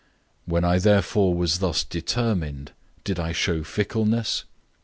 001:017 When I therefore was thus determined, did I show fickleness?